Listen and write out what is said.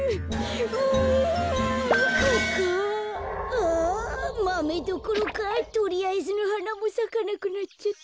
あマメどころかとりあえずのはなもさかなくなっちゃった。